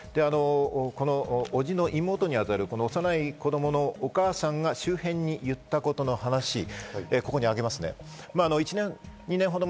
この伯父の妹にあたる幼い子供のお母さんが周辺に行ったことの話、ここに挙げます。